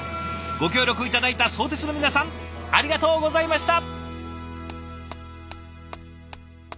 ご協力頂いた相鉄の皆さんありがとうございました！